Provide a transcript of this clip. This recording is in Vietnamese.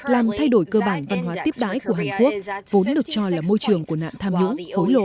làm thay đổi cơ bản văn hóa tiếp đái của hàn quốc vốn được cho là môi trường của nạn tham nhũng hối lộ